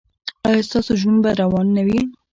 ایا ستاسو ژوند به روان نه وي؟